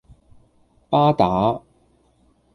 巴打